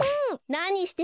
なにしてるの？